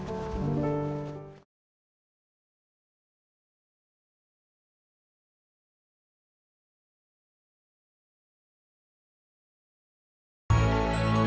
aduh kebentur lagi